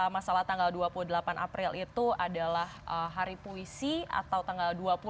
masalah tanggal dua puluh delapan april itu adalah hari puisi atau tanggal dua puluh